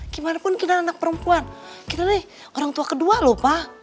gimanapun kinar anak perempuan kita nih orang tua kedua lho pa